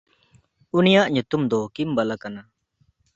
ᱩᱱᱤᱭᱟᱜ ᱧᱩᱛᱩᱢ ᱫᱚ ᱠᱤᱢᱵᱟᱞᱟ ᱠᱟᱱᱟ᱾